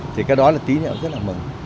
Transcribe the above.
thì cái đó là tí nữa rất là mừng